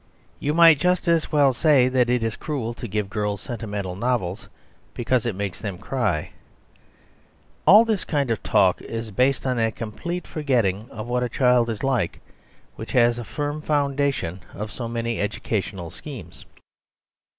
You might just as well say that it is cruel to give girls sentimental novels because it makes them cry. All this kind of talk is based on that complete forgetting of what a child is like which has been the firm foundation of so many educational schemes.